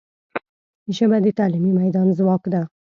ژبه د تعلیمي میدان ځواک ده